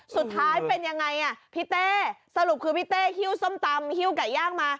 สุดท้ายเป็นยังไงอ่ะพี่เต้สรุปคือพี่เต้หิ้วส้มตำหิ้วไก่ย่างมา